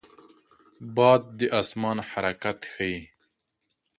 باد د آسمان حرکت ښيي